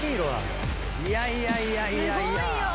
いやいやいやいやいや。